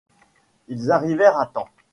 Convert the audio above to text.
Ils arrivèrent à temps.